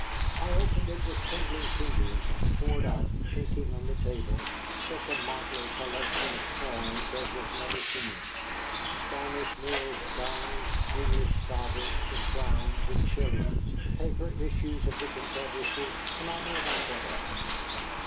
I opened it with trembling fingers, and poured out, chinking on the table, such a motley collection of coins as was never seen, Spanish milled dollars, English sovereigns and crowns and shillings, paper issues of the Confederacy, and I know not what else.